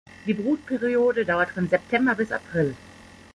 Die Brutperiode dauert von September bis April.